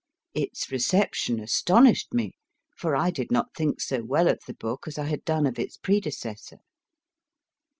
Its reception astonished me, for I did not think so well of the book as I had done of its predecessor.